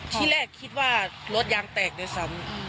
ที่แรกคิดว่ารถยางแตกเลยซะ